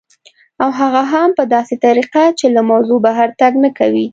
او هغه هم په داسې طریقه چې له موضوع بهر تګ نه کوي